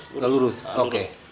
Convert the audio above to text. nggak lurus oke